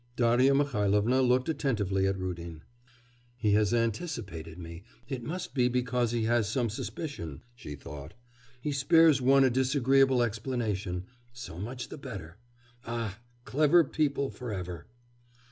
Darya Mihailovna looked attentively at Rudin. 'He has anticipated me; it must be because he has some suspicion,' she thought. 'He spares one a disagreeable explanation. So much the better. Ah! clever people for ever!